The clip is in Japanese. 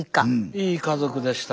いい家族でした。